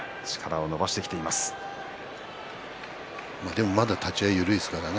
でもまだ立ち合いは緩いです。